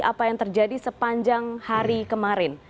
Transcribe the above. apa yang terjadi sepanjang hari kemarin